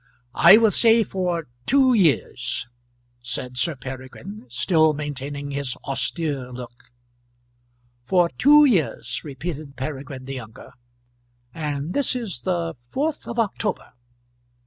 "I will say for two years," said Sir Peregrine, still maintaining his austere look. "For two years!" repeated Peregrine the younger; "and this is the fourth of October."